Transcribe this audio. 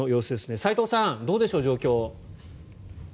齋藤さん、どうでしょう状況。